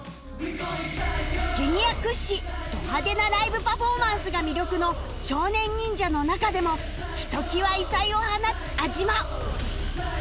Ｊｒ． 屈指ど派手なライブパフォーマンスが魅力の少年忍者の中でもひときわ異彩を放つ安嶋